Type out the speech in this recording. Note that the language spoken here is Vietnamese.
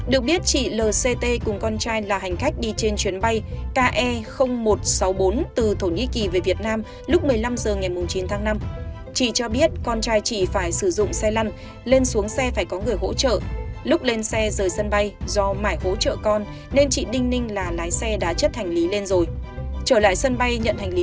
được biết chị lct cùng con trai là hành khách đi trên chuyến bay